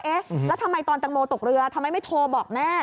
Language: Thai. เอ๊ะแล้วทำไมตอนตังโมตกเรือทำไมไม่โทรบอกแม่